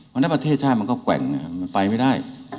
เมื่อประเทศชาติมันก็แกว่งมันไปไม่ได้